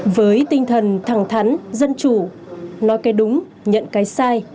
với tinh thần thẳng thắn dân chủ nói cái đúng nhận cái sai